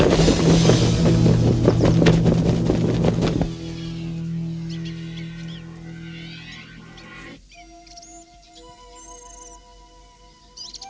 kau maksudkan dirimu sendiri akan dilakukan seupa ulang otom